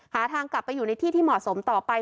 หาทางกลับไปอยู่ในที่ที่เหมาะสมต่อไป